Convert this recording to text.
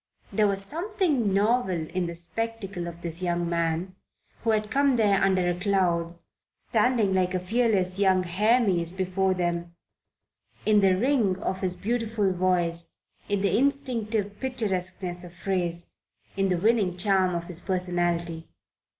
There was something novel in the spectacle of this young man, who had come there under a cloud, standing like a fearless young Hermes before them, in the ring of his beautiful voice, in the instinctive picturesqueness of phrase, in the winning charm of his personality.